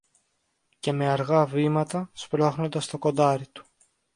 Και με αργά βήματα, σπρώχνοντας το κοντάρι του